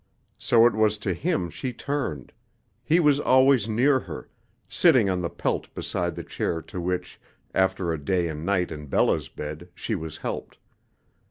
So it was to him she turned he was always near her, sitting on the pelt beside the chair to which, after a day and night in Bella's bed, she was helped.